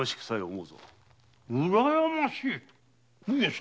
うらやましい⁉上様。